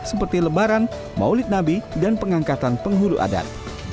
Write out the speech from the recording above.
seperti lebaran maulid nabi dan pengangkatan penghulu adat